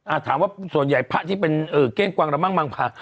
อ่าถามว่าส่วนใหญ่พระที่เป็นเก้งกวางระมั่งมังผา